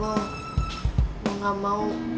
gue gak mau